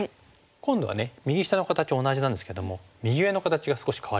今度は右下の形は同じなんですけども右上の形が少し変わりました。